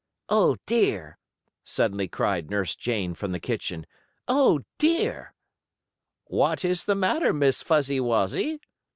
"Oh, dear!" suddenly cried Nurse Jane from the kitchen. "Oh, dear!" "What is the matter, Miss Fuzzy Wuzzy?"